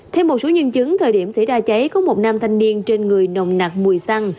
thêm một số nhân chứng thời điểm xảy ra cháy có một nam thanh niên trên người nồng nặc mùi xăng